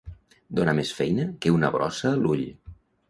Donar més feina que una brossa a l'ull.